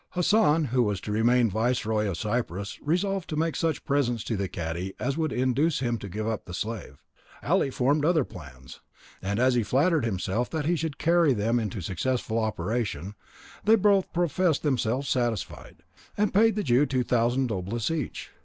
Hassan, who was to remain viceroy of Cyprus, resolved to make such presents to the cadi as would induce him to give up the slave. Ali formed other plans, and as he flattered himself that he should carry them into successful operation, they both professed themselves satisfied, and paid the Jew two thousand doblas each on the spot.